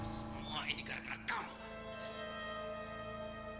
semua ini gara gara kamu